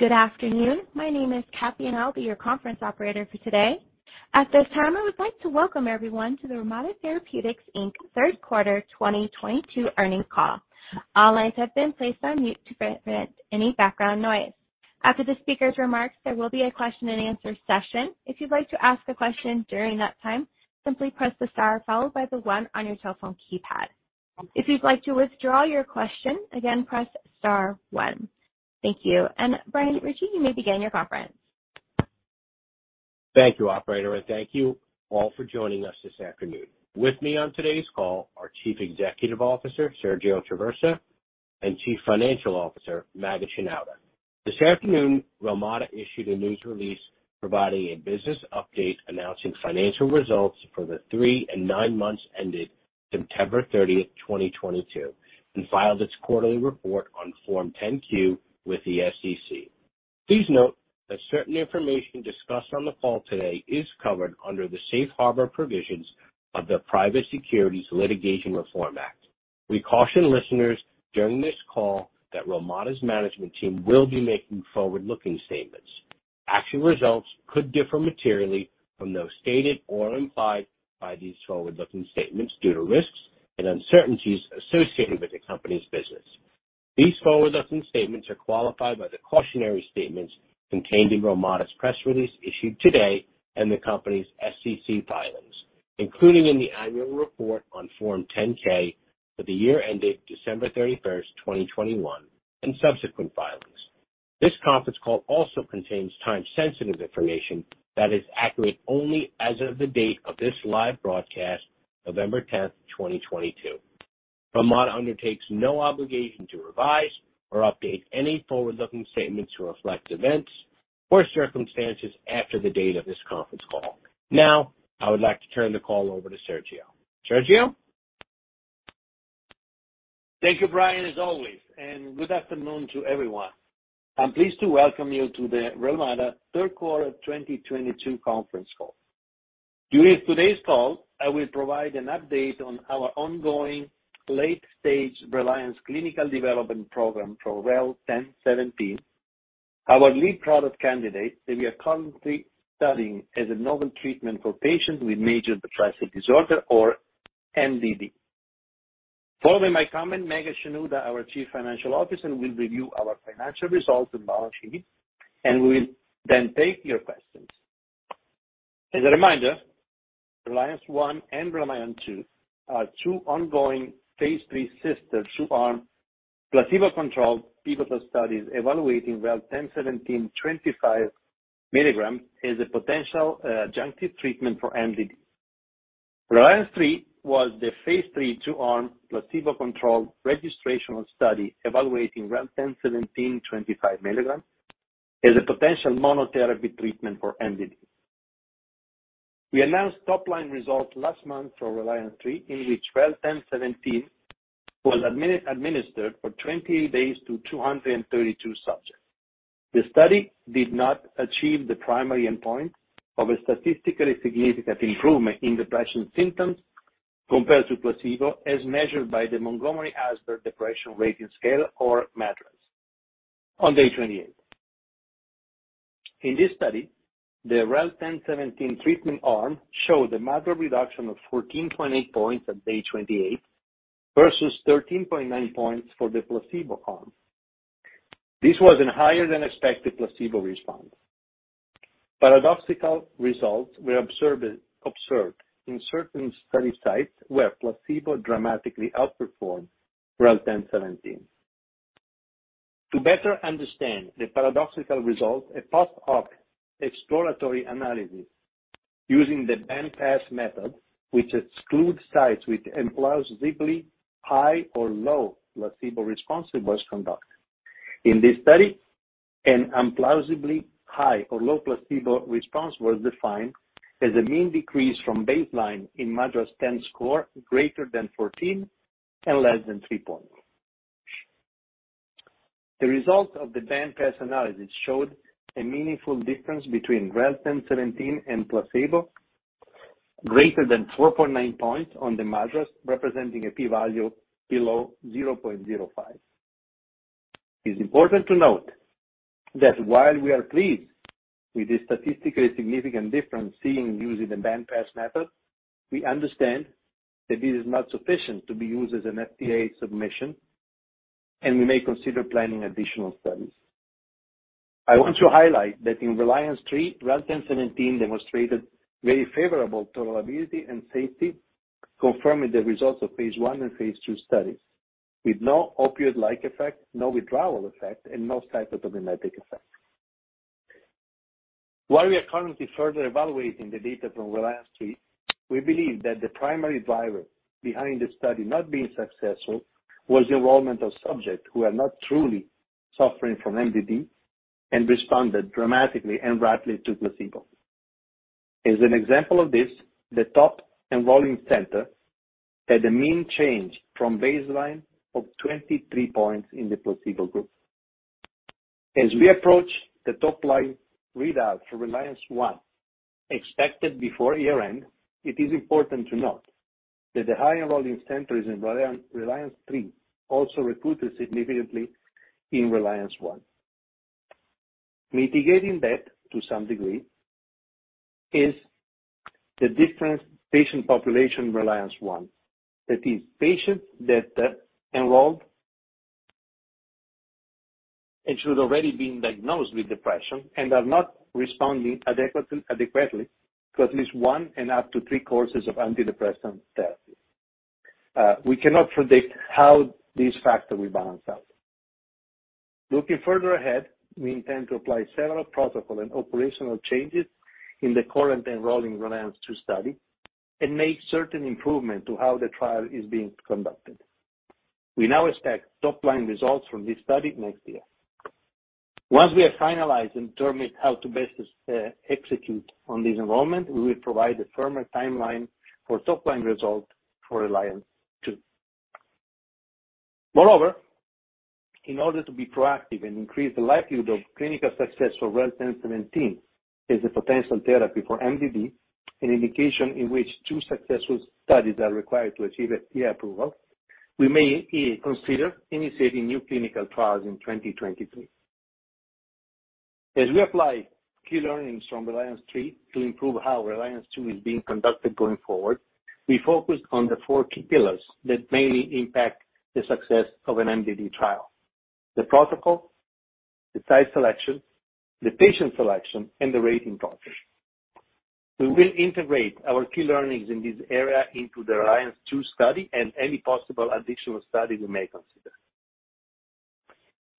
Good afternoon. My name is Kathy, and I'll be your conference operator for today. At this time, I would like to welcome everyone to the Relmada Therapeutics, Inc. Third Quarter 2022 Earnings Call. All lines have been placed on mute to prevent any background noise. After the speaker's remarks, there will be a question and answer session. If you'd like to ask a question during that time, simply press the star followed by the one on your telephone keypad. If you'd like to withdraw your question, again, press star one. Thank you. Brian Ritchie, you may begin your conference. Thank you, operator, and thank you all for joining us this afternoon. With me on today's call, our Chief Executive Officer, Sergio Traversa, and Chief Financial Officer, Maged Shenouda. This afternoon, Relmada issued a news release providing a business update announcing financial results for the three and nine months ended September 30, 2022, and filed its quarterly report on Form 10-Q with the SEC. Please note that certain information discussed on the call today is covered under the Safe Harbor provisions of the Private Securities Litigation Reform Act. We caution listeners during this call that Relmada's management team will be making forward-looking statements. Actual results could differ materially from those stated or implied by these forward-looking statements due to risks and uncertainties associated with the company's business. These forward-looking statements are qualified by the cautionary statements contained in Relmada's press release issued today and the company's SEC filings, including in the annual report on Form 10-K for the year ending December 31st, 2021, and subsequent filings. This conference call also contains time-sensitive information that is accurate only as of the date of this live broadcast, November 10th, 2022. Relmada undertakes no obligation to revise or update any forward-looking statements to reflect events or circumstances after the date of this conference call. Now, I would like to turn the call over to Sergio. Sergio. Thank you, Brian, as always, and good afternoon to everyone. I'm pleased to welcome you to the Relmada Third Quarter 2022 Conference Call. During today's call, I will provide an update on our ongoing late-stage RELIANCE clinical development program for REL-1017, our lead product candidate that we are currently studying as a novel treatment for patients with major depressive disorder or MDD. Following my comment, Maged Shenouda, our Chief Financial Officer, will review our financial results and balance sheet, and we'll then take your questions. As a reminder, RELIANCE I and RELIANCE II are two ongoing phase III sister two-arm placebo-controlled pivotal studies evaluating REL-1017 25 mgs as a potential adjunctive treatment for MDD. RELIANCE III was the phase III two-arm placebo-controlled registrational study evaluating REL-1017 25 mg as a potential monotherapy treatment for MDD. We announced top-line results last month for RELIANCE III, in which REL-1017 was administered for 20 days to 232 subjects. The study did not achieve the primary endpoint of a statistically significant improvement in depression symptoms compared to placebo as measured by the Montgomery-Åsberg Depression Rating Scale, or MADRS, on day 28. In this study, the REL-1017 treatment arm showed a moderate reduction of 14.8 points on day 28 versus 13.9 points for the placebo arm. This was a higher than expected placebo response. Paradoxical results were observed in certain study sites where placebo dramatically outperformed REL-1017. To better understand the paradoxical results, a post-hoc exploratory analysis using the band-pass method, which excludes sites with implausibly high or low placebo response, was conducted. In this study, an implausibly high or low placebo response was defined as a mean decrease from baseline in MADRS-10 score greater than 14 and less than three points. The results of the band-pass analysis showed a meaningful difference between REL-1017 and placebo greater than 4.9 points on the MADRS, representing a p-value <0.05. It's important to note that while we are pleased with the statistically significant difference seen using the band-pass method, we understand that this is not sufficient to be used as an FDA submission, and we may consider planning additional studies. I want to highlight that in RELIANCE III, REL-1017 demonstrated very favorable tolerability and safety, confirming the results of phase I and phase II studies, with no opioid-like effect, no withdrawal effect, and no psychotomimetic effect. While we are currently further evaluating the data from RELIANCE III, we believe that the primary driver behind the study not being successful was the enrollment of subjects who are not truly suffering from MDD and responded dramatically and rapidly to placebo. As an example of this, the top enrolling center had a mean change from baseline of 23 points in the placebo group. As we approach the top-line readout for RELIANCE I, expected before year-end, it is important to note that the higher volume centers in RELIANCE III also recruited significantly in RELIANCE I. Mitigating that to some degree is the different patient population in RELIANCE I, that is patients that enrolled and should already been diagnosed with depression and are not responding adequately to at least one and up to three courses of antidepressant therapy. We cannot predict how these factors will balance out. Looking further ahead, we intend to apply several protocol and operational changes in the current enrolling RELIANCE II study and make certain improvement to how the trial is being conducted. We now expect top-line results from this study next year. Once we have finalized and determined how to best execute on this enrollment, we will provide a firmer timeline for top-line result for RELIANCE II. Moreover, in order to be proactive and increase the likelihood of clinical success for REL-1017 as a potential therapy for MDD, an indication in which two successful studies are required to achieve FDA approval, we may consider initiating new clinical trials in 2023. As we apply key learnings from RELIANCE III to improve how RELIANCE II is being conducted going forward, we focus on the four key pillars that mainly impact the success of an MDD trial. The protocol, the site selection, the patient selection, and the rating doctor. We will integrate our key learnings in this area into the RELIANCE II study and any possible additional study we may consider.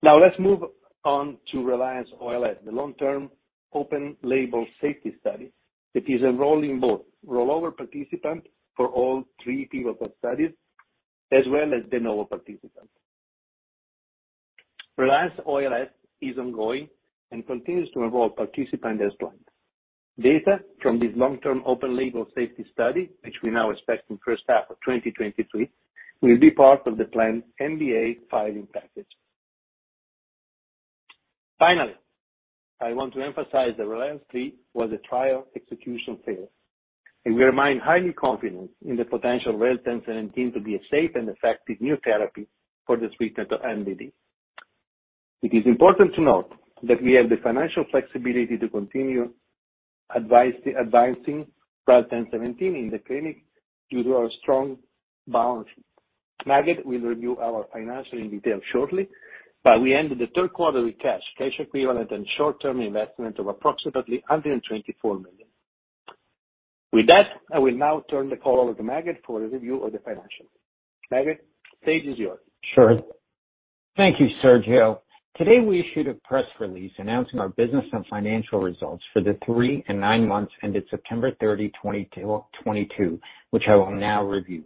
Now let's move on to RELIANCE-OLS, the long-term open label safety study that is enrolling both rollover participants for all three pivotal studies as well as de novo participants. RELIANCE-OLS is ongoing and continues to enroll participants as planned. Data from this long-term open label safety study, which we now expect in first-half of 2023, will be part of the planned NDA filing package. Finally, I want to emphasize that RELIANCE III was a trial execution fail, and we remain highly confident in the potential REL-1017 to be a safe and effective new therapy for this treatment of MDD. It is important to note that we have the financial flexibility to continue advancing REL-1017 in the clinic due to our strong balance sheet. Maged will review our financials in detail shortly, but we ended the third quarter with cash equivalents, and short-term investments of approximately $124 million. With that, I will now turn the call over to Maged for the review of the financials. Maged, the stage is yours. Sure. Thank you, Sergio. Today, we issued a press release announcing our business and financial results for the three and nine months ended September 30, 2022, which I will now review.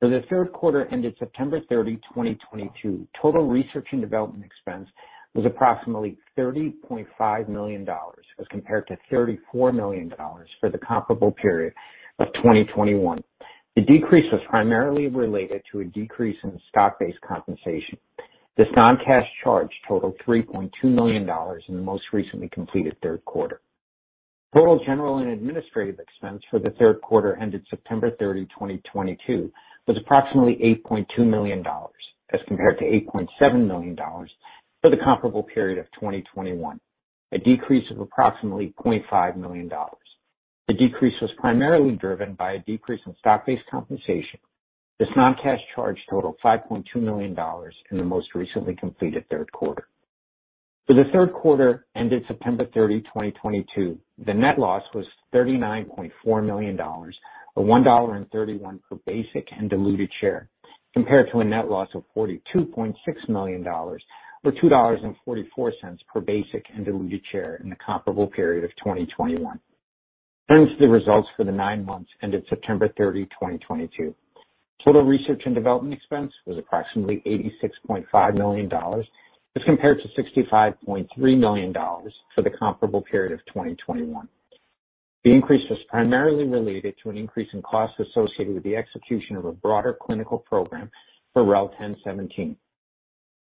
For the third quarter ended September 30, 2022, total research and development expense was approximately $30.5 million as compared to $34 million for the comparable period of 2021. The decrease was primarily related to a decrease in stock-based compensation. This non-cash charge totaled $3.2 million in the most recently completed third quarter. Total general and administrative expense for the third quarter ended September 30, 2022, was approximately $8.2 million, as compared to $8.7 million for the comparable period of 2021, a decrease of approximately $500,000. The decrease was primarily driven by a decrease in stock-based compensation. This non-cash charge totaled $5.2 million in the most recently completed third quarter. For the third quarter ended September 30, 2022, the net loss was $39.4 million, or $1.31 per basic and diluted share, compared to a net loss of $42.6 million or $2.44 per basic and diluted share in the comparable period of 2021. Turning to the results for the nine months ended September 30, 2022. Total research and development expense was approximately $86.5 million as compared to $65.3 million for the comparable period of 2021. The increase was primarily related to an increase in costs associated with the execution of a broader clinical program for REL-1017.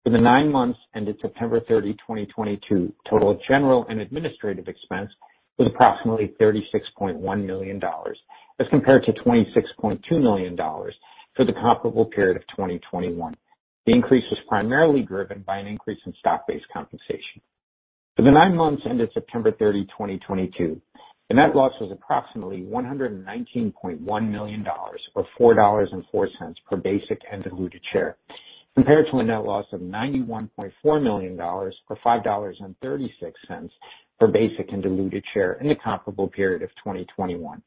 For the nine months ended September 30, 2022, total general and administrative expense was approximately $36.1 million as compared to $26.2 million for the comparable period of 2021. The increase was primarily driven by an increase in stock-based compensation. For the nine months ended September 30, 2022, the net loss was approximately $119.1 million or $4.04 per basic and diluted share, compared to a net loss of $91.4 million or $5.36 per basic and diluted share in the comparable period of 2021.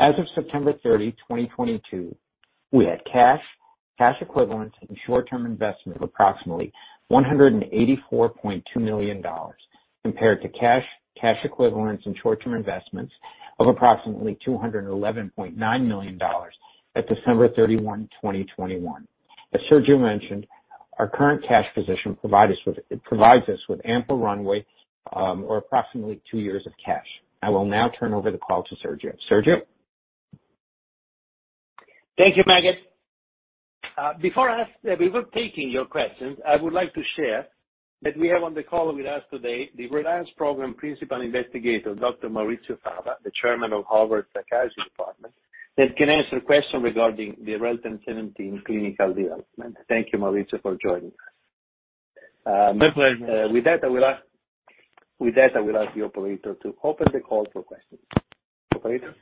As of September 30, 2022, we had cash equivalents, and short-term investments of approximately $184.2 million, compared to cash equivalents, and short-term investments of approximately $211.9 million at December 31, 2021. As Sergio mentioned, our current cash position provides us with ample runway, or approximately two years of cash. I will now turn over the call to Sergio. Sergio? Thank you, Maged. Before we take your questions, I would like to share that we have on the call with us today the RELIANCE program principal investigator, Dr. Maurizio Fava, the Chairman of the Harvard Medical School Department of Psychiatry, that can answer questions regarding the REL-1017 clinical development. Thank you, Maurizio, for joining us. My pleasure. With that, I will ask the operator to open the call for questions. Operator?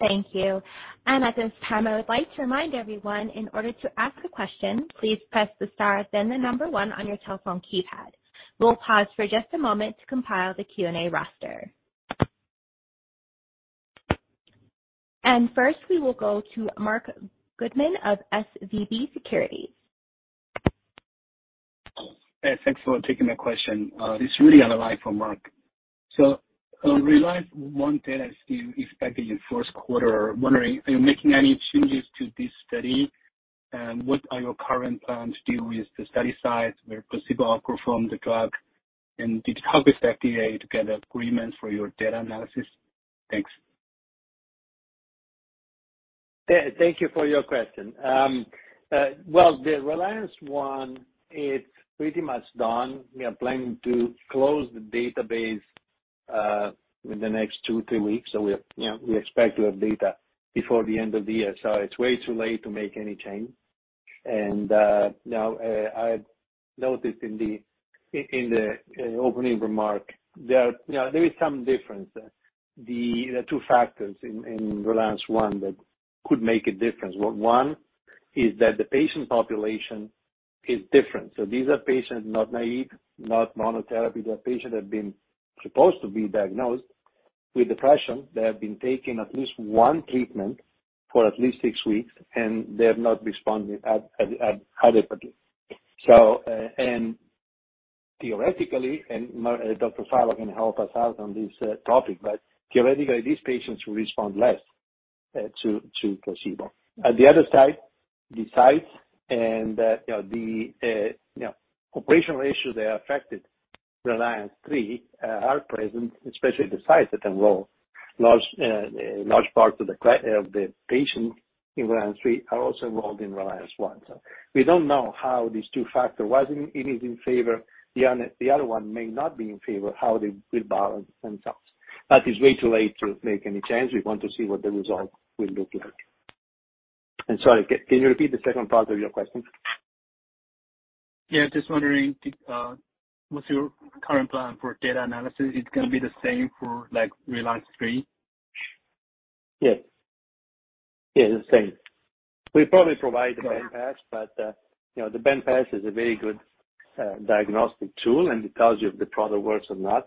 Thank you. At this time, I would like to remind everyone in order to ask a question, please press the star, then the number one on your telephone keypad. We'll pause for just a moment to compile the Q&A roster. First, we will go to Marc Goodman of SVB Securities. Yeah. Thanks for taking my question. This is really on line for Marc. On RELIANCE i data you expected in first quarter, wondering, are you making any changes to this study? What are your current plans to do with the study sites where placebo outperformed the drug, and did you talk with FDA to get agreement for your data analysis? Thanks. Yeah. Thank you for your question. Well, the RELIANCE I, it's pretty much done. We are planning to close the database in the next two, three weeks. We're, you know, we expect to have data before the end of the year, it's way too late to make any change. Now, I noticed in the opening remark there are, you know, there is some difference. The two factors in RELIANCE I that could make a difference. One is that the patient population is different. These are patients not naive, not monotherapy. They are patients have been supposed to be diagnosed with depression. They have been taking at least one treatment for at least six weeks, and they have not responded adequately. Theoretically, Maurizio Fava can help us out on this topic, but theoretically these patients will respond less to placebo. On the other side, the sites and, you know, the operational issues that affected RELIANCE III are present, especially the sites that enroll large parts of the patients in RELIANCE III are also enrolled in RELIANCE I. We don't know how these two factors, one is in favor, the other one may not be in favor, how they will balance themselves. It's way too late to make any change. We want to see what the result will look like. Sorry, can you repeat the second part of your question? Yeah, just wondering, what's your current plan for data analysis? It's gonna be the same for like RELIANCE III? Yes. Yes, the same. We probably provide the band-pass, but, you know, the band-pass is a very good diagnostic tool, and it tells you if the product works or not.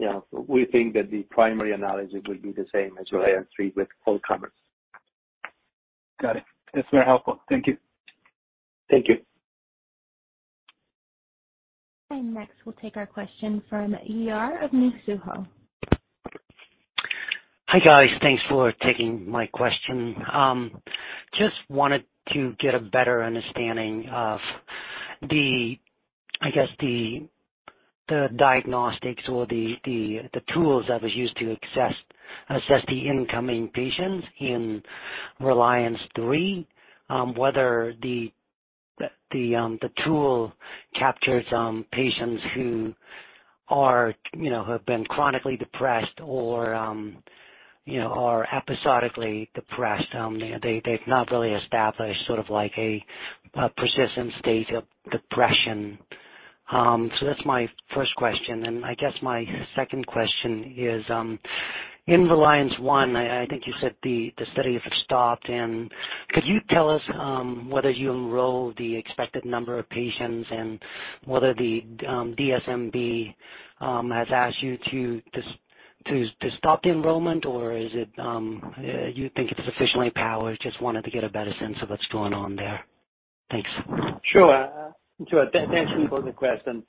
You know, we think that the primary analysis will be the same as RELIANCE III with all comers. Got it. That's very helpful. Thank you. Thank you. Next, we'll take our question from Uy Ear of Mizuho. Hi, guys. Thanks for taking my question. Just wanted to get a better understanding of the, I guess, the diagnostics or the tools that was used to assess the incoming patients in RELIANCE III, whether the tool captures patients who are, you know, have been chronically depressed or, you know, are episodically depressed. They've not really established sort of like a persistent state of depression. That's my first question. I guess my second question is, in RELIANCE I, I think you said the study is stopped and could you tell us whether you enrolled the expected number of patients and whether the DSMB has asked you to stop the enrollment or is it, you think it's sufficiently powered? Just wanted to get a better sense of what's going on there. Thanks. Sure. Sure. Thanks for the question.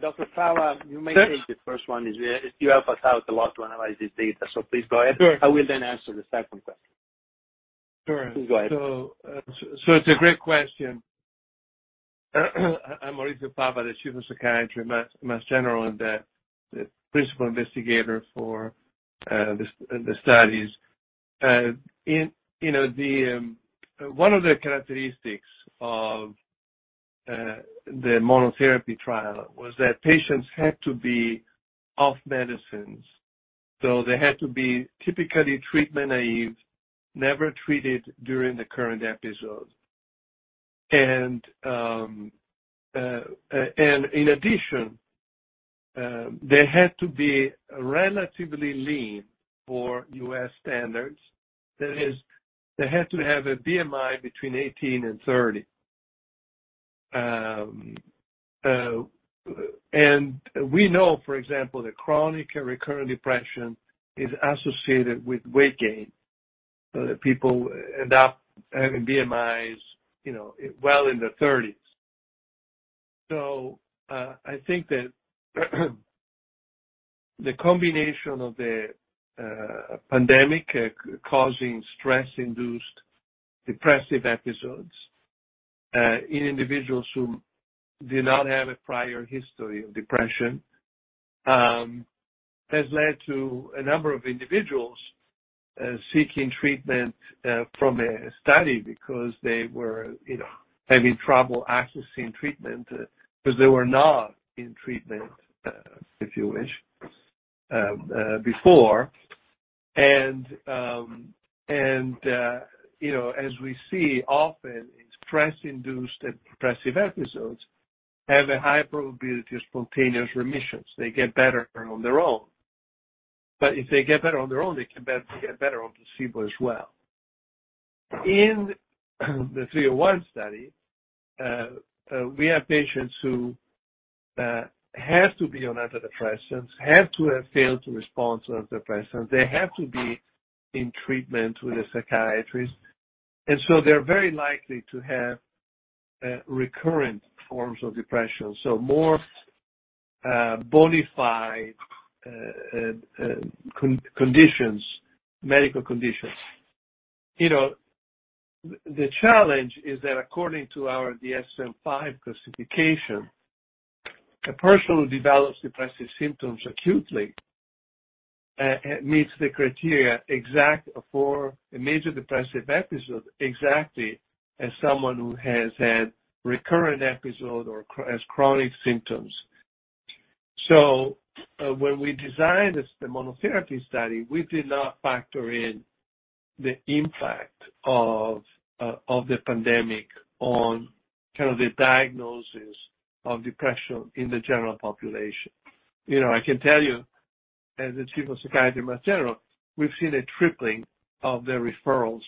Dr. Fava. Sure. You may take the first one. You help us out a lot to analyze this data, so please go ahead. Sure. I will then answer the second question. Sure. Please go ahead. It's a great question. I'm Maurizio Fava, the Chief of Psychiatry at Massachusetts General Hospital and the Principal Investigator for the studies. In, you know, one of the characteristics of the monotherapy trial was that patients had to be off medicines, so they had to be typically treatment naive, never treated during the current episode. In addition, they had to be relatively lean for U.S. standards. That is, they had to have a BMI between 18 and 30. We know, for example, that chronic and recurrent depression is associated with weight gain, so that people end up having BMIs well in their 30s. I think that the combination of the pandemic causing stress-induced depressive episodes in individuals who do not have a prior history of depression has led to a number of individuals seeking treatment from a study because they were, you know, having trouble accessing treatment because they were not in treatment, if you wish, before. You know, as we see often in stress-induced depressive episodes, have a high probability of spontaneous remissions. They get better on their own. If they get better on their own, they can get better on placebo as well. In the 301 study, we have patients who have to be on antidepressants, have to have failed to respond to antidepressants. They have to be in treatment with a psychiatrist. They're very likely to have recurrent forms of depression. More bona fide conditions, medical conditions. You know, the challenge is that according to our DSM-V classification, a person who develops depressive symptoms acutely meets the exact criteria for a major depressive episode, exactly as someone who has had recurrent episode or has chronic symptoms. When we designed the monotherapy study, we did not factor in the impact of the pandemic on kind of the diagnosis of depression in the general population. You know, I can tell you, as the Chief of Psychiatry at Mass General, we've seen a tripling of the referrals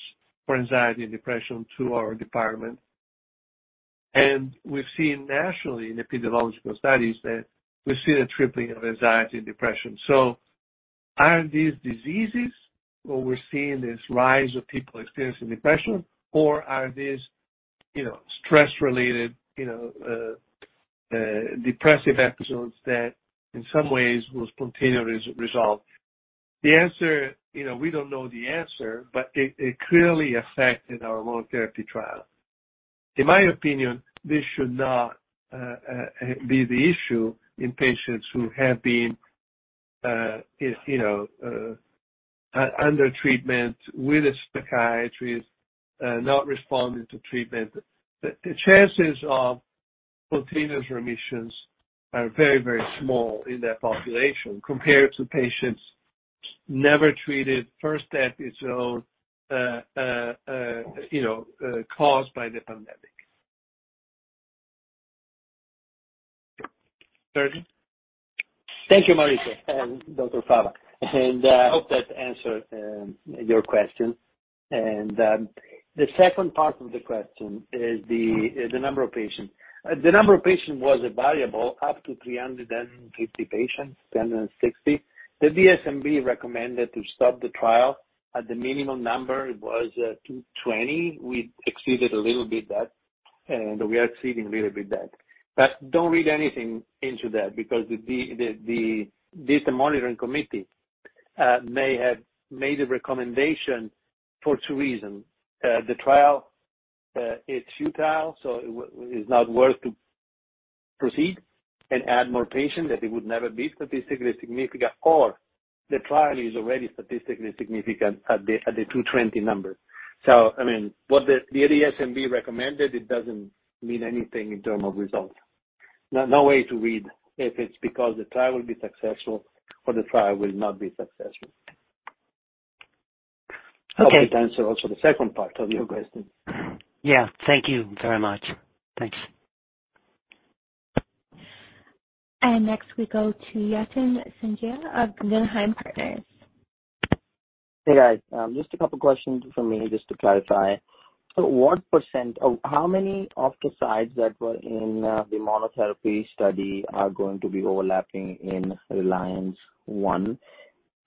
for anxiety and depression to our department. We've seen nationally in epidemiological studies that we've seen a tripling of anxiety and depression. Are these diseases where we're seeing this rise of people experiencing depression? Are these, you know, stress-related, you know, depressive episodes that in some ways will spontaneously resolve? The answer, you know, we don't know the answer, but it clearly affected our monotherapy trial. In my opinion, this should not be the issue in patients who have been, you know, under treatment with a psychiatrist, not responding to treatment. The chances of spontaneous remissions are very, very small in that population compared to patients never treated, first episode, you know, caused by the pandemic. Sergio? Thank you, Dr. Fava. I hope that answered your question. The second part of the question is the number of patients. The number of patients was a variable up to 350 patients, 360. The DSMB recommended to stop the trial at the minimum number. It was 220. We exceeded a little bit that, and we are exceeding a little bit that. But don't read anything into that because the data monitoring committee may have made a recommendation for two reasons. The trial is futile, so it is not worth to proceed and add more patients, that it would never be statistically significant, or the trial is already statistically significant at the 220 number. I mean, what the DSMB recommended, it doesn't mean anything in terms of results. No, no way to read if it's because the trial will be successful or the trial will not be successful. Okay. Hope that answers also the second part of your question. Yeah. Thank you very much. Thanks. Next we go to Yatin Suneja of Guggenheim Partners. Hey, guys. Just a couple questions from me just to clarify. How many of the sites that were in the monotherapy study are going to be overlapping in RELIANCE I?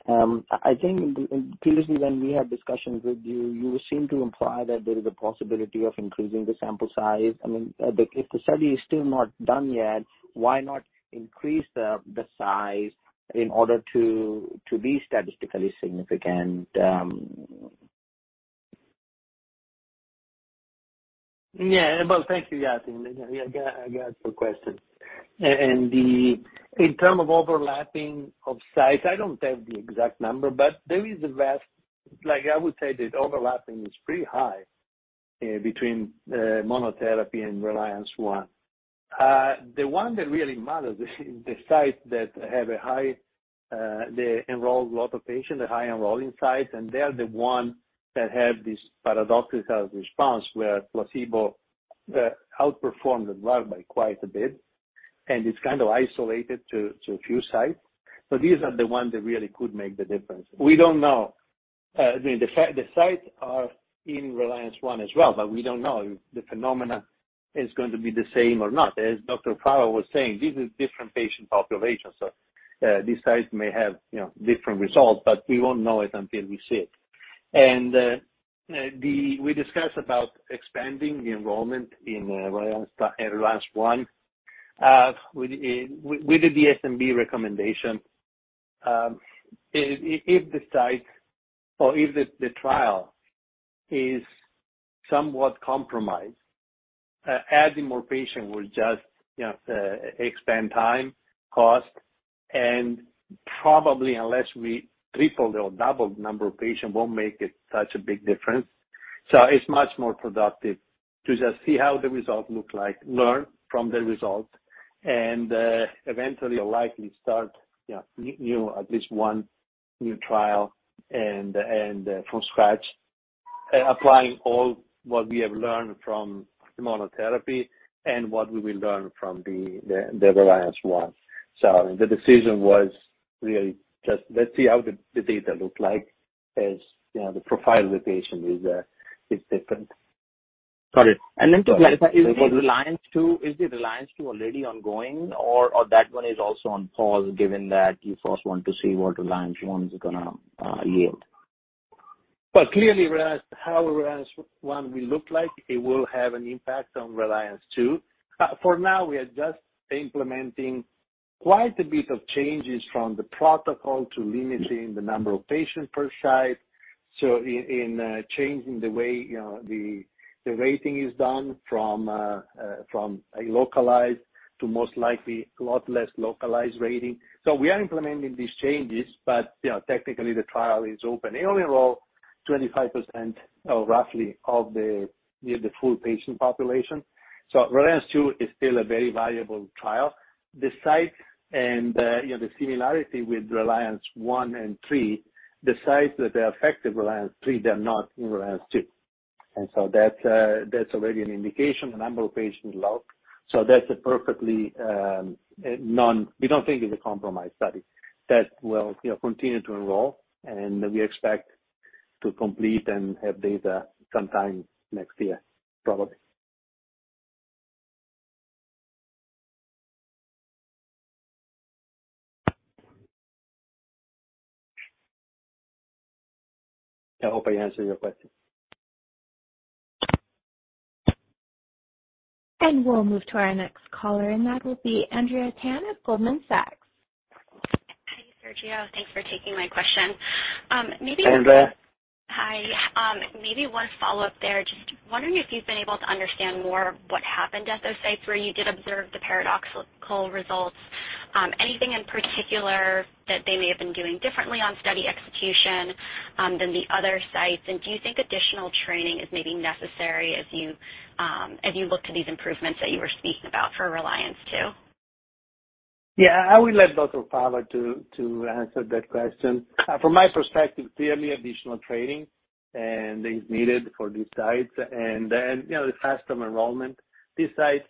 I think previously when we had discussions with you seemed to imply that there is a possibility of increasing the sample size. I mean, if the study is still not done yet, why not increase the size in order to be statistically significant? Yeah. Well, thank you, Yatin. Yeah. Good, good question. In terms of overlapping of sites, I don't have the exact number, but there is like I would say that overlapping is pretty high between monotherapy and RELIANCE I. The one that really matters is the sites that have a high, they enroll a lot of patients, the high enrolling sites, and they are the ones that have this paradoxical response where placebo outperformed the drug by quite a bit, and it's kind of isolated to a few sites. So these are the ones that really could make the difference. We don't know. The sites are in RELIANCE I as well, but we don't know if the phenomenon is going to be the same or not. As Dr. Fava was saying, this is different patient populations. These sites may have, you know, different results, but we won't know it until we see it. We discussed about expanding the enrollment in RELIANCE RELIANCE I with the DSMB recommendation. If the site or if the trial is somewhat compromised, adding more patients will just, you know, expand time, cost, and probably unless we triple or double the number of patients won't make it such a big difference. It's much more productive to just see how the results look like, learn from the results and eventually likely start, you know, new at least one new trial and from scratch, applying all what we have learned from the monotherapy and what we will learn from the RELIANCE I. The decision was really just let's see how the data look like as you know the profile of the patient is different. Got it. To clarify, is the RELIANCE II already ongoing or that one is also on pause given that you first want to see what RELIANCE I is gonna yield? Clearly, how RELIANCE I will look like it will have an impact on RELIANCE II. For now, we are just implementing quite a bit of changes from the protocol to limiting the number of patients per site. In changing the way, you know, the rating is done from a localized to most likely a lot less localized rating. We are implementing these changes but, you know, technically the trial is open. They only enroll 25% of roughly of the, you know, the full patient population. RELIANCE II is still a very valuable trial. The site and, you know, the similarity with RELIANCE I and III, the sites that they affect in RELIANCE III, they're not in RELIANCE II. That's already an indication, the number of patients low. We don't think it's a compromised study. That will, you know, continue to enroll and we expect to complete and have data sometime next year probably. I hope I answered your question. We'll move to our next caller, and that will be Andrea Tan at Goldman Sachs. Hi, Sergio. Thanks for taking my question. Maybe one. Andrea. Hi. Maybe one follow-up there. Just wondering if you've been able to understand more what happened at those sites where you did observe the paradoxical results. Anything in particular that they may have been doing differently on study execution than the other sites? Do you think additional training is maybe necessary as you look to these improvements that you were speaking about for RELIANCE II? Yeah. I will let Maurizio Fava to answer that question. From my perspective, clearly additional training is needed for these sites and then, you know, it has some enrollment. These sites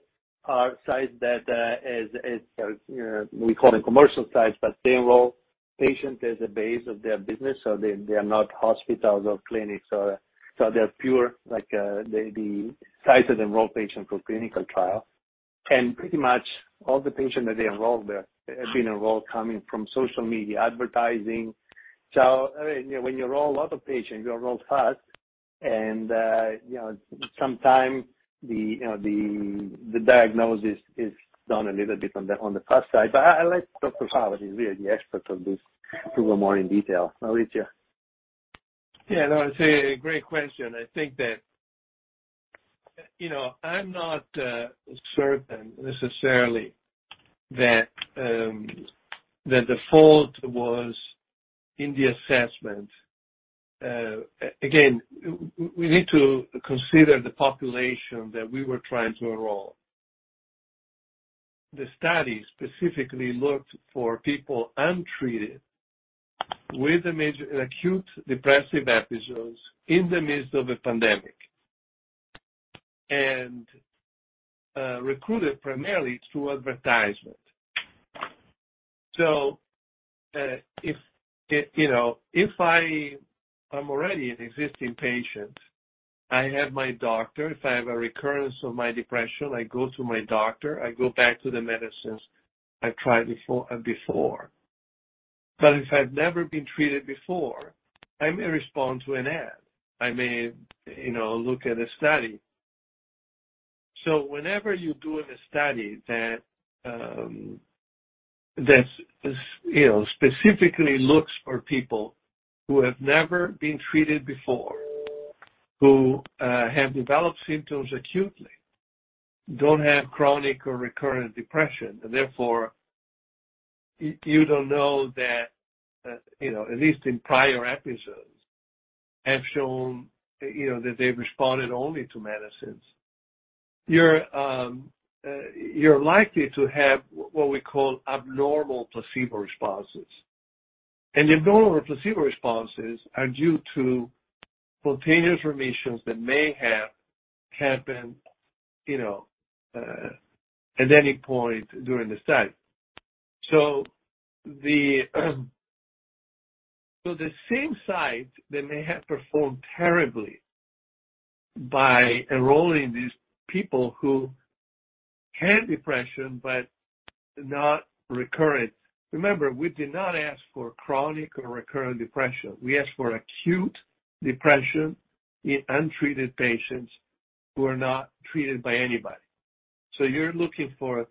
are sites that, as you know, we call them commercial sites, but they enroll patients as a basis of their business so they are not hospitals or clinics or so they're pure like the sites that enroll patients for clinical trial. Pretty much all the patients that they enroll there have been enrolled coming from social media advertising. I mean, you know, when you enroll a lot of patients, you enroll fast and, you know, sometimes the diagnosis is done a little bit on the fast side. I let Maurizio Fava, he's really the expert of this, to go into more detail. Maurizio. Yeah. No, it's a great question. I think that, you know, I'm not certain necessarily that the fault was in the assessment. Again, we need to consider the population that we were trying to enroll. The study specifically looked for people untreated with major acute depressive episodes in the midst of a pandemic and recruited primarily through advertisement. If, you know, if I'm already an existing patient, I have my doctor. If I have a recurrence of my depression, I go to my doctor, I go back to the medicines I tried before. If I've never been treated before, I may respond to an ad. I may, you know, look at a study. Whenever you're doing a study that's, you know, specifically looks for people who have never been treated before, who have developed symptoms acutely, don't have chronic or recurrent depression, and therefore you don't know that, you know, at least in prior episodes have shown, you know, that they've responded only to medicines. You're likely to have what we call abnormal placebo responses. Abnormal placebo responses are due to spontaneous remissions that may have happened, you know, at any point during the study. The same sites that may have performed terribly by enrolling these people who had depression but not recurrent. Remember, we did not ask for chronic or recurrent depression. We asked for acute depression in untreated patients who are not treated by anybody. You're looking for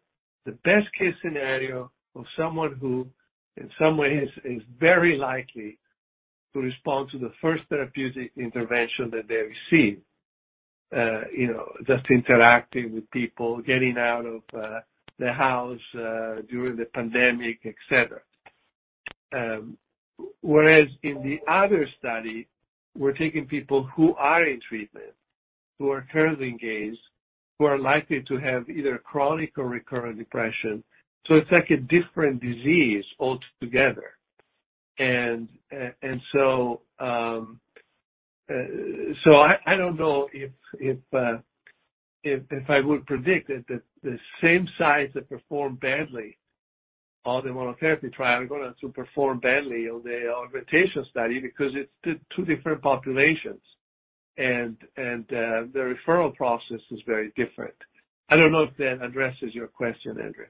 the best case scenario of someone who in some ways is very likely to respond to the first therapeutic intervention that they receive. You know, just interacting with people, getting out of the house during the pandemic, et cetera. Whereas in the other study, we're taking people who are in treatment, who are currently engaged, who are likely to have either chronic or recurrent depression. It's like a different disease altogether. I don't know if I would predict that the same sites that perform badly on the monotherapy trial are gonna also perform badly on the augmentation study because it's two different populations and the referral process is very different. I don't know if that addresses your question, Andrea.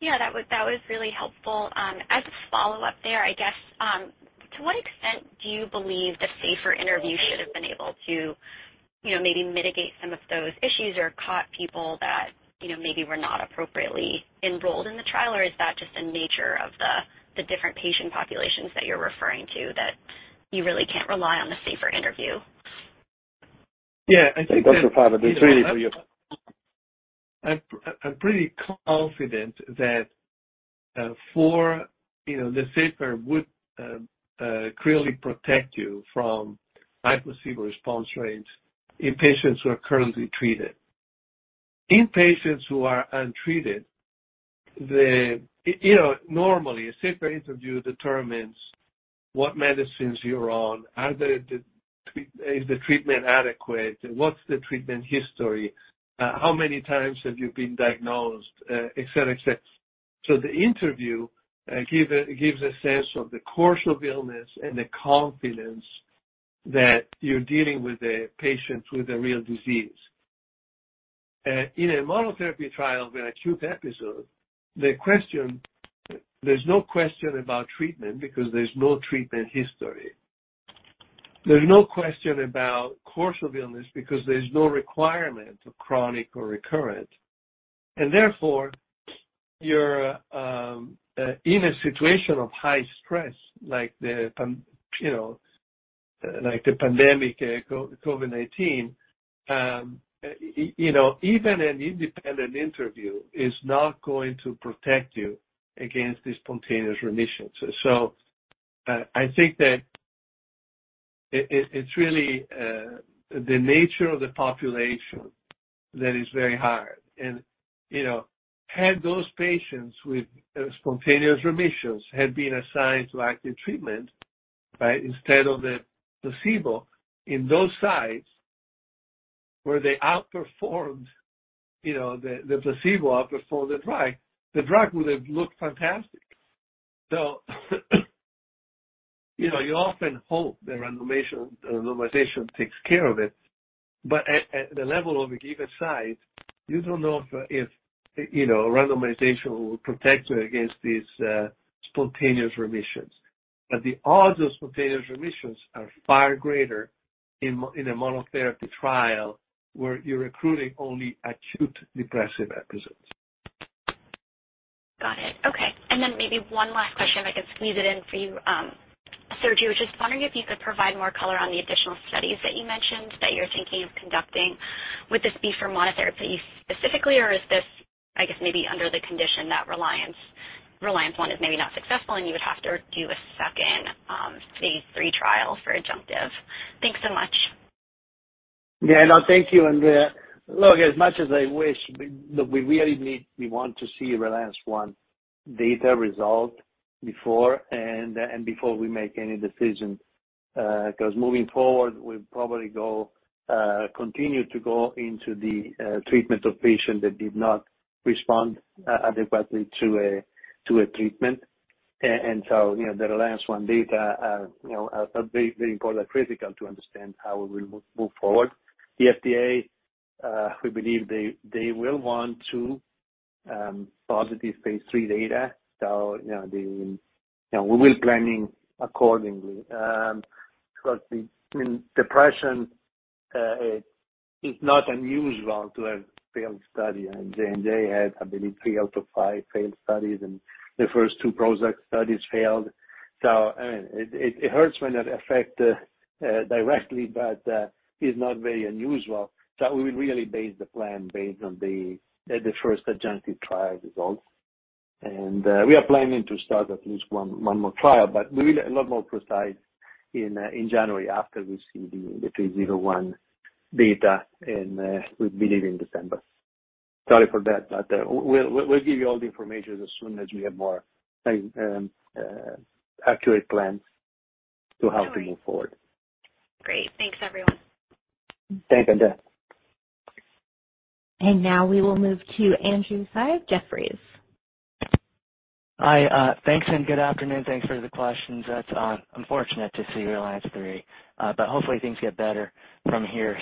Yeah, that was really helpful. As a follow-up there, I guess, to what extent do you believe the SAFER interview should have been able to, you know, maybe mitigate some of those issues or caught people that, you know, maybe were not appropriately enrolled in the trial? Or is that just the nature of the different patient populations that you're referring to that you really can't rely on the SAFER interview? Yeah. I think that. Dr. Fava. [It’s for you]? I'm pretty confident that, you know, the SAFER would clearly protect you from high placebo response rates in patients who are currently treated. In patients who are untreated, you know, normally, a SAFER interview determines what medicines you're on. Is the treatment adequate? What's the treatment history? How many times have you been diagnosed? Et cetera, et cetera. So the interview gives a sense of the course of illness and the confidence that you're dealing with a patient with a real disease. In a monotherapy trial of an acute episode, there's no question about treatment because there's no treatment history. There's no question about course of illness because there's no requirement of chronic or recurrent. Therefore you're in a situation of high stress like you know, like the pandemic, COVID-19. You know, even an independent interview is not going to protect you against the spontaneous remissions. I think that it's really the nature of the population that is very hard. You know, had those patients with spontaneous remissions had been assigned to active treatment, right, instead of the placebo in those sites where they outperformed, you know, the placebo outperformed the drug, the drug would have looked fantastic. You know, you often hope the randomization takes care of it. But at the level of a given site, you don't know if you know, a randomization will protect you against these spontaneous remissions. The odds of spontaneous remissions are far greater in a monotherapy trial where you're recruiting only acute depressive episodes. Got it. Okay. Maybe one last question, if I could squeeze it in for you, Sergio. Just wondering if you could provide more color on the additional studies that you mentioned that you're thinking of conducting. Would this be for monotherapy specifically, or is this, I guess, maybe under the condition that RELIANCE I is maybe not successful, and you would have to do a second, phase III trial for adjunctive? Thanks so much. Yeah. No, thank you, Andrea. Look, as much as I wish, we really need—we want to see RELIANCE I data result before we make any decisions because moving forward, we'll probably continue to go into the treatment of patients that did not respond adequately to a treatment. You know, the RELIANCE I data are very important, critical to understand how we will move forward. The FDA, we believe they will want positive phase III data. You know, we will planning accordingly. Because in depression, it's not unusual to have failed study. I mean, J&J had, I believe, three out of five failed studies, and the first two Prozac studies failed. I mean, it hurts when it affect directly, but is not very unusual. We will really base the plan based on the first adjunctive trial results. We are planning to start at least one more trial. We will be a lot more precise in January after we see the 301 data, we believe, in December. Sorry for that, but we'll give you all the information as soon as we have more accurate plans to how to move forward. Great. Thanks, everyone. Thanks, Andrea. Now we will move to Andrew Tsai, Jefferies. Hi. Thanks, and good afternoon. Thanks for the questions. That's unfortunate to see RELIANCE III, but hopefully things get better from here.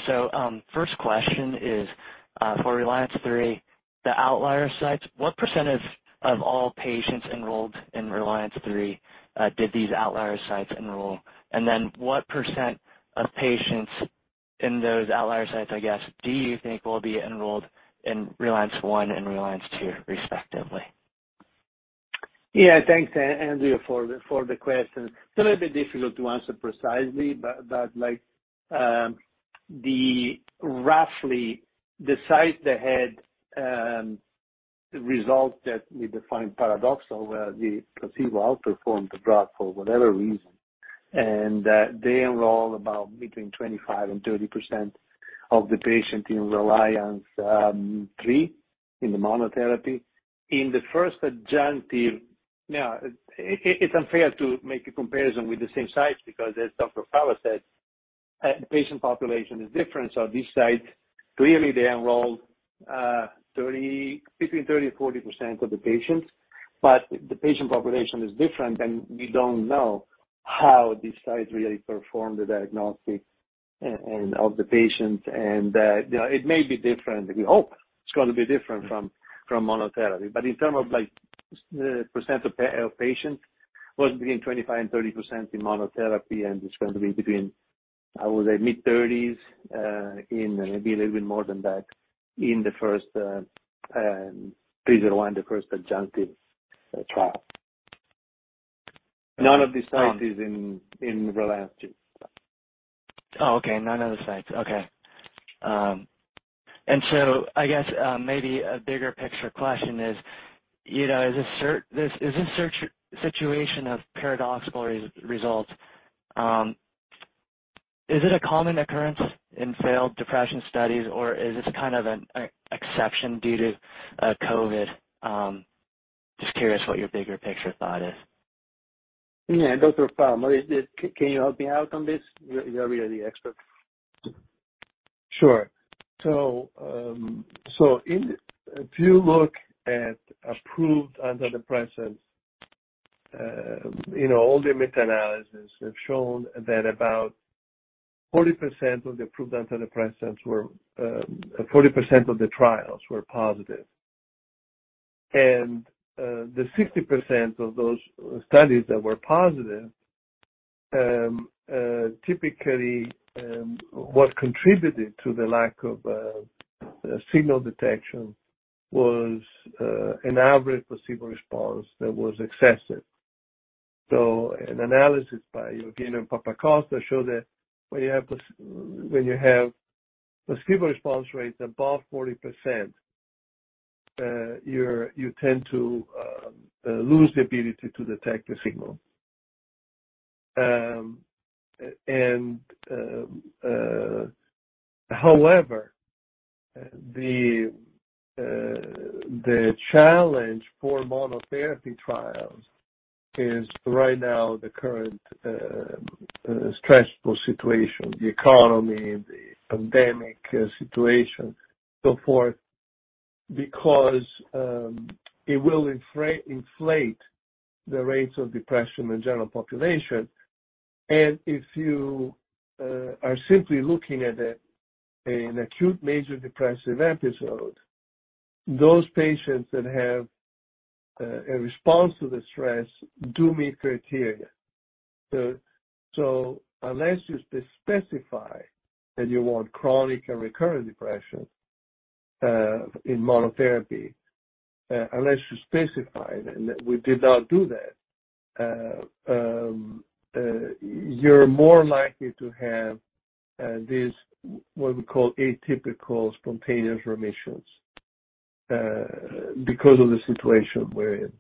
First question is, for RELIANCE III, the outlier sites, what percentage of all patients enrolled in RELIANCE III did these outlier sites enroll? And then what percent of patients in those outlier sites, I guess, do you think will be enrolled in RELIANCE I and RELIANCE II respectively? Yeah. Thanks, Andrew, for the question. It's a little bit difficult to answer precisely, but like, the roughly the sites that had results that we defined paradoxical, where the placebo outperformed the drug for whatever reason, and they enroll about between 25% and 30% of the patients in RELIANCE III in the monotherapy. In the first adjunctive, now it's unfair to make a comparison with the same sites because as Dr. Fava said, the patient population is different. These sites, clearly they enrolled between 30%-40% of the patients, but the patient population is different and we don't know how these sites really perform the diagnosis of the patients and, you know, it may be different. We hope it's gonna be different from monotherapy. In terms of like, percent of patients was between 25%-30% in monotherapy, and it's going to be between, I would say mid-30s, in maybe a little bit more than that in the first RELIANCE I, the first adjunctive trial. None of these sites is in RELIANCE II. Okay. None of the sites. Okay. I guess, maybe a bigger picture question is, you know, is this such situation of paradoxical results, is it a common occurrence in failed depression studies, or is this kind of an exception due to COVID? Just curious what your bigger picture thought is. Yeah. Dr. Fava, is it? Can you help me out on this? You're really expert. If you look at approved antidepressants, you know, all the meta-analysis have shown that about 40% of the trials were positive. The 60% of those studies that were positive, typically, what contributed to the lack of signal detection was an average placebo response that was excessive. An analysis by Dr. Papakostas show that when you have placebo response rates above 40%, you tend to lose the ability to detect the signal. However, the challenge for monotherapy trials is right now the current stressful situation, the economy, the pandemic situation, so forth, because it will inflate the rates of depression in general population. If you are simply looking at an acute major depressive episode, those patients that have a response to the stress do meet criteria. Unless you specify that you want chronic and recurrent depression in monotherapy, unless you specify it, and we did not do that, you're more likely to have this what we call atypical spontaneous remissions because of the situation we're in.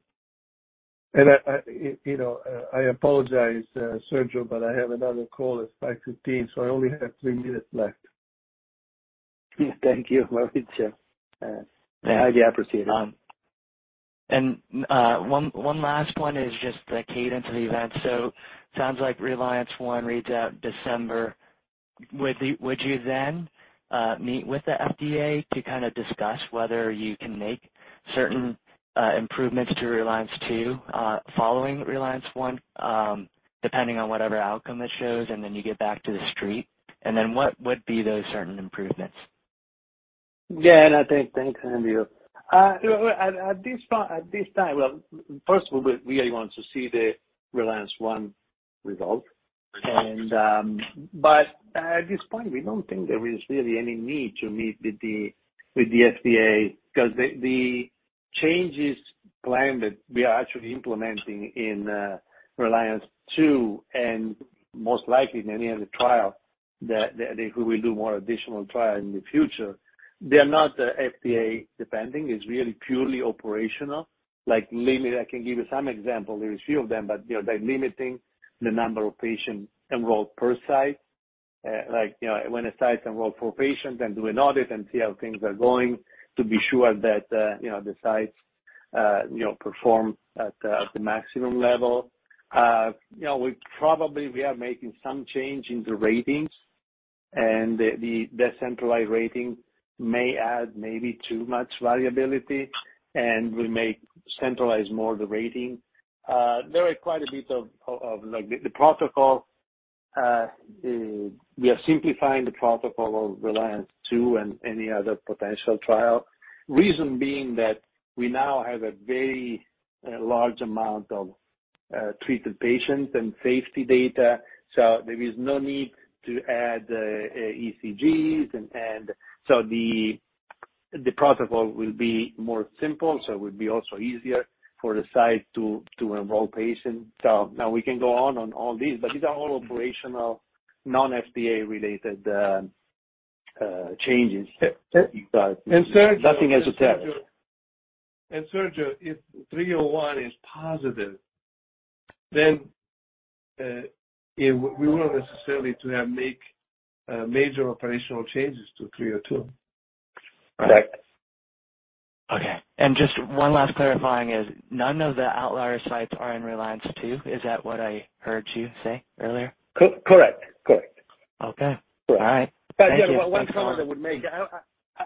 I, you know, I apologize, Sergio, but I have another call at 5:15 P.M., so I only have three minutes left. Thank you, Maurizio. Highly appreciated. One last one is just the cadence of the event. Sounds like RELIANCE I reads out December. Would you then meet with the FDA to kind of discuss whether you can make certain improvements to RELIANCE II following RELIANCE I, depending on whatever outcome it shows, and then you get back to the street? What would be those certain improvements? Yeah. I think, thanks, Andrew. At this point, first of all, we really want to see the RELIANCE I result. At this point, we don't think there is really any need to meet with the FDA because the changes planned that we are actually implementing in RELIANCE II and most likely in any other trial that if we will do more additional trial in the future, they are not FDA dependent. It's really purely operational. Like maybe I can give you some example. There is a few of them, but you know, they're limiting the number of patients enrolled per site. Like, you know, when a site enrolls four patients and do an audit and see how things are going to be sure that, you know, the sites, you know, perform at the maximum level. You know, we probably are making some change in the ratings and the decentralized rating may add maybe too much variability and we may centralize more the rating. We are simplifying the protocol of RELIANCE II and any other potential trial. Reason being that we now have a very large amount of treated patients and safety data, so there is no need to add ECGs and so the protocol will be more simple, so it will be also easier for the site to enroll patients. Now we can go on all these, but these are all operational, non-FDA related changes. Sergio Nothing has attached. Sergio, if 301 is positive, then we won't necessarily have to make major operational changes to 302. Right. Okay. Just one last clarifying is, none of the outlier sites are in RELIANCE II? Is that what I heard you say earlier? Correct. Okay. All right. Thank you. Yeah, one comment I would make.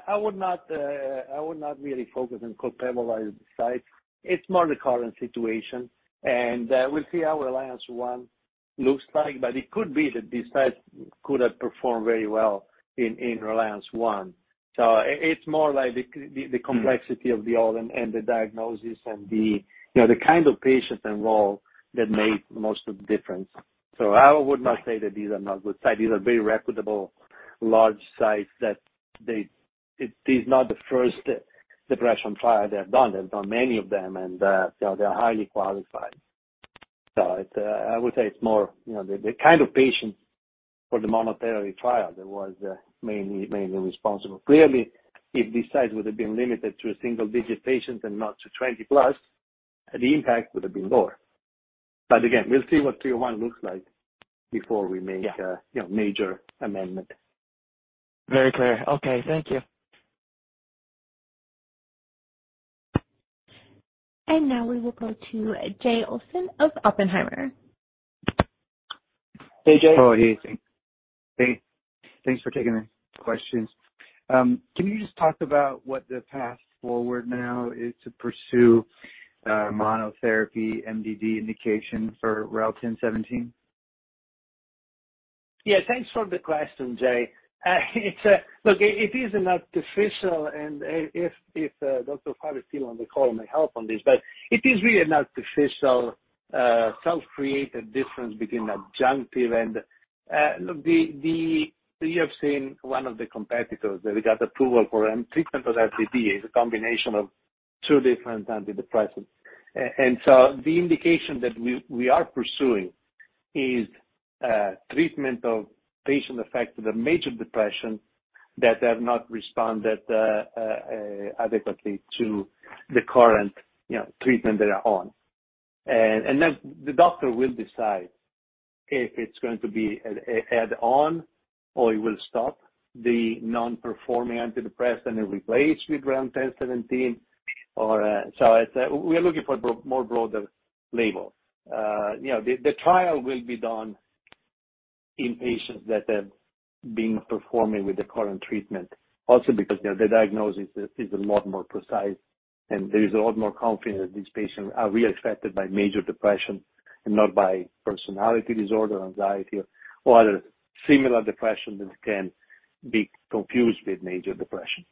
I would not really focus and compare them on different sites. It's more the current situation. We'll see how RELIANCE I looks like, but it could be that these sites could have performed very well in RELIANCE I. It's more like the complexity of the old and the diagnosis and you know the kind of patients involved that made most of the difference. I would not say that these are not good sites. These are very reputable, large sites. It is not the first depression trial they have done. They've done many of them and you know they're highly qualified. I would say it's more, you know, the kind of patients for the monotherapy trial that was mainly responsible. Clearly, if these sites would have been limited to a single-digit patient and not to 20+, the impact would have been lower. Again, we'll see what 301 looks like before we make, you know, major amendment. Very clear. Okay. Thank you. Now we will go to Jay Olson of Oppenheimer. Hey, Jay. Oh, hey. Thanks for taking the questions. Can you just talk about what the path forward now is to pursue, monotherapy MDD indication for REL-1017? Yeah, thanks for the question, Jay. Look, it is an artificial and if Dr. Fava is still on the call, may help on this, but it is really an artificial, self-created difference between adjunctive. You have seen one of the competitors that we got approval for treatment of MDD, is a combination of two different antidepressants. The indication that we are pursuing is treatment of patients affected with major depression that have not responded adequately to the current, you know, treatment they are on. Then the doctor will decide if it's going to be an add-on or it will stop the non-performing antidepressant and replace with REL-1017. We are looking for broader label. You know, the trial will be done in patients that have been failing with the current treatment, also because the diagnosis is a lot more precise and there is a lot more confidence these patients are really affected by major depression and not by personality disorder, anxiety or other similar depression that can be confused with major depression.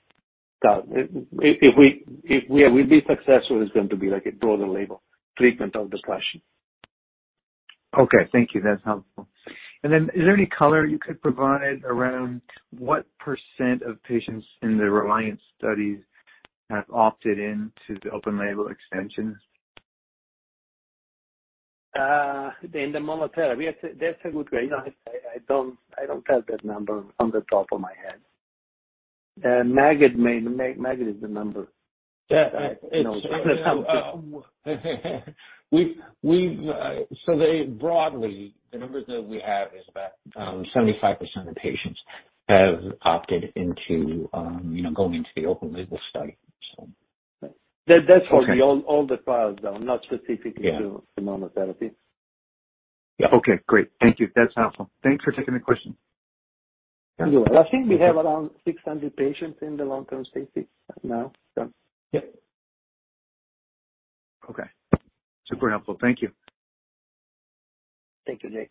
If we are successful, it's going to be like a broader label, treatment of depression. Okay. Thank you. That's helpful. Is there any color you could provide around what percent of patients in the RELIANCE studies have opted into the open-label extension? In the monotherapy. That's a good way. You know, I don't have that number off the top of my head. Maged is the number. Yeah. You know. They broadly, the numbers that we have is about 75% of patients have opted into, you know, going into the open label study. That's for all the files, though, not specifically to the monotherapy. Okay, great. Thank you. That's helpful. Thanks for taking the question. I think we have around 600 patients in the long-term safety now, so. Yep. Okay. Super helpful. Thank you. Thank you, Jay.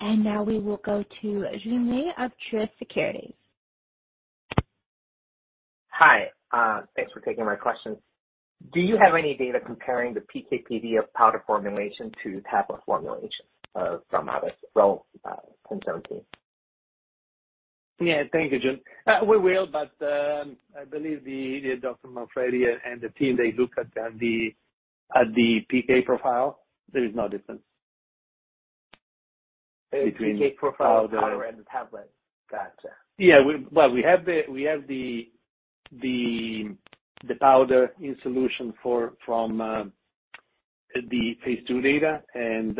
Now we will go to Joon Lee of Truist Securities. Hi. Thanks for taking my questions. Do you have any data comparing the PK/PD of powder formulation to tablet formulation from others? Well, REL-1017. Thank you, Joon. We will, but I believe Paolo Manfredi and the team, they look at the PK profile. There is no difference. The PK profile of the powder and the tablet. Gotcha. Yeah. Well, we have the powder in solution from the phase II data and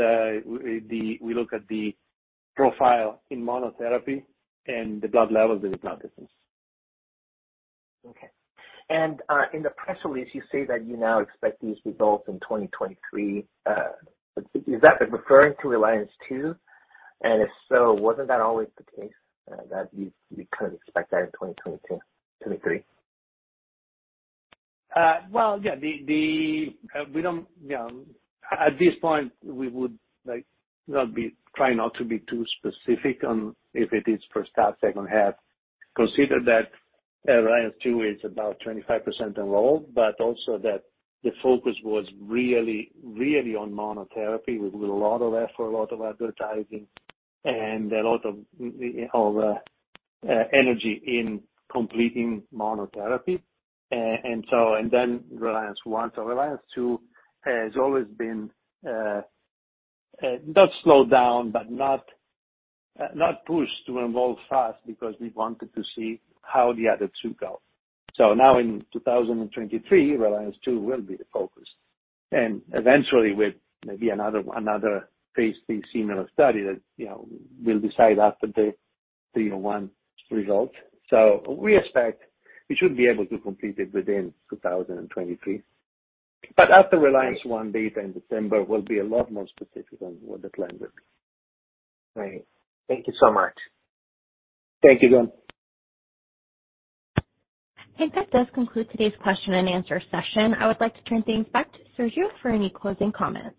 we look at the profile in monotherapy and the blood levels, there is no difference. Okay. In the press release, you say that you now expect these results in 2023. Is that referring to RELIANCE II? If so, wasn't that always the case, that you kind of expect that in 2022–2023? Well, yeah, we don't, you know, at this point, try not to be too specific on if it is first half, second half. Consider that RELIANCE II is about 25% enrolled, but also that the focus was really on monotherapy. We put a lot of effort, a lot of advertising and a lot of energy in completing monotherapy. And then RELIANCE I. RELIANCE II has always been not slowed down, but not pushed to enroll fast because we wanted to see how the other two go. Now in 2023, RELIANCE II will be the focus. Eventually with maybe another phase III similar study that, you know, we'll decide after the 301 results. We expect we should be able to complete it within 2023. After RELIANCE I data in December, we'll be a lot more specific on what the plan will be. Right. Thank you so much. Thank you, Joon. I think that does conclude today's question and answer session. I would like to turn things back to Sergio for any closing comments.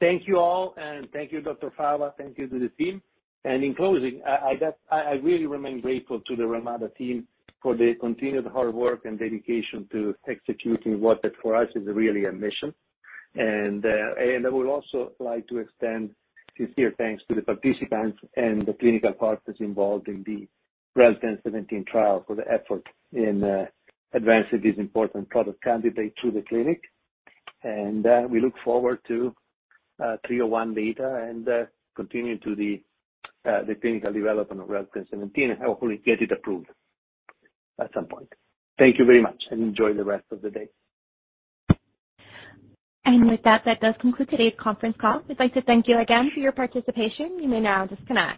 Thank you all, and thank you, Dr. Fava. Thank you to the team. In closing, I really remain grateful to the Relmada team for the continued hard work and dedication to executing what that for us is really a mission. I would also like to extend sincere thanks to the participants and the clinical partners involved in the REL-1017 trial for the effort in advancing this important product candidate through the clinic. We look forward to 301 data and continue to the clinical development of REL-1017 and hopefully get it approved at some point. Thank you very much and enjoy the rest of the day. With that does conclude today's conference call. We'd like to thank you again for your participation. You may now disconnect.